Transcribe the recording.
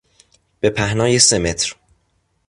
به پهنای سه متر